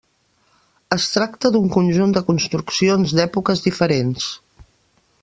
Es tracta d'un conjunt de construccions d'èpoques diferents.